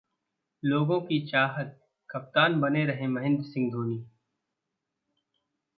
लोगों की चाहत कप्तान बने रहें महेंद्र सिंह धोनी